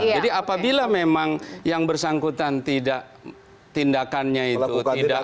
jadi apabila memang yang bersangkutan tidak tindakannya itu